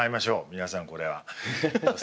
皆さんこれは。